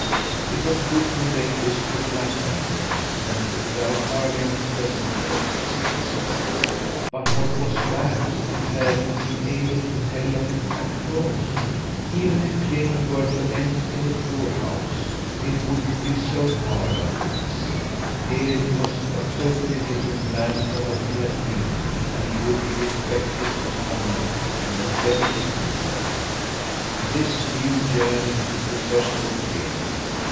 It was good to relate this to the Laplanders and Dalecarlian peasant girls at Skansen, but what was that compared to being able to tell of it at home? Even if Clement were to end in the poorhouse, it wouldn't be so hard after this. He was a totally different man from what he had been, and he would be respected and honoured in a very different way. This new yearning took possession of Clement.